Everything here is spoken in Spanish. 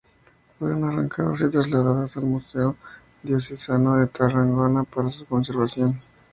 Fueron arrancadas y trasladadas al Museo Diocesano de Tarragona para su conservación.